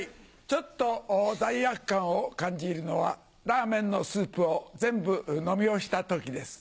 ちょっと罪悪感を感じるのはラーメンのスープを全部飲み干した時です。